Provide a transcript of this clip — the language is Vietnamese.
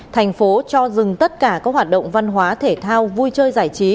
tp hcm cho dừng tất cả các hoạt động văn hóa thể thao vui chơi giải trí